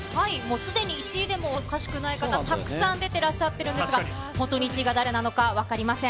すでに１位でもおかしくない方、たくさん出てらっしゃってるんですが、本当に１位が誰なのか分かりません。